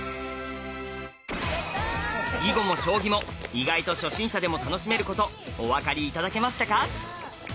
囲碁も将棋も意外と初心者でも楽しめることお分かり頂けましたか？